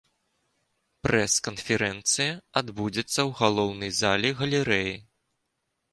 Прэс-канферэнцыя адбудзецца ў галоўнай залі галерэі.